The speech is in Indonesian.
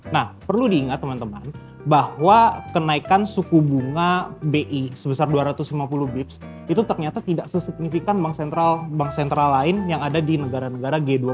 nah perlu diingat teman teman bahwa kenaikan suku bunga bi sebesar dua ratus lima puluh bips itu ternyata tidak sesignifikan bank sentral bank sentral lain yang ada di negara negara g dua puluh